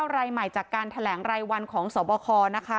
รายใหม่จากการแถลงรายวันของสบคนะคะ